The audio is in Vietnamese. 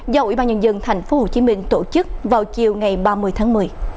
do ubnd tp hcm tổ chức vào chiều ngày ba mươi tháng một mươi